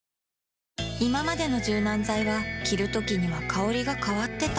いままでの柔軟剤は着るときには香りが変わってた